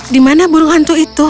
di mana burung hantu itu